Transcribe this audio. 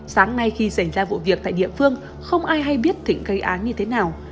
sáng nay khi xảy ra vụ việc tại địa phương không ai hay biết thịnh gây án như thế nào